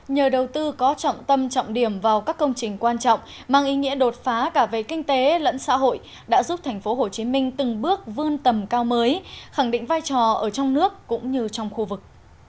nhờ đầu tư có trọng tâm trọng điểm vào các công trình quan trọng mang ý nghĩa đột phá cả về kinh tế lẫn xã hội đã giúp tp hcm từng bước vươn tầm cao mới khẳng định vai trò ở trong nước cũng như trong khu vực